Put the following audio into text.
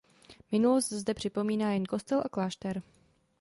Minulost zde připomíná jen kostel a klášter.